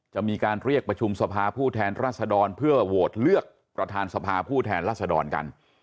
จะมีการเรียกประชุมสภาผู้แทนรัศดรเพื่อโหวตเลือกประธานสภาผู้แทนรัศดรกัน